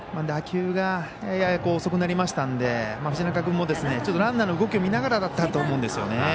打球がやや遅くなりましたので藤中君もランナーの動きを見ながらだったと思うんですよね。